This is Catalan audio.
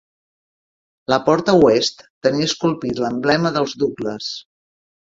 La porta oest tenia esculpit l'emblema dels Douglas.